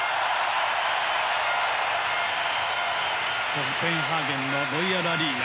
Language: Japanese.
コペンハーゲンのロイヤルアリーナ。